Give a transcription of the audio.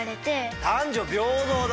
男女平等だ。